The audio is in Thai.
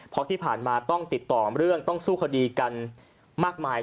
เพราะที่ผ่านมาต้องติดต่อเรื่องต้องสู้คดีกันมากมาย